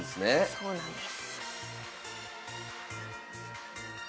そうなんです。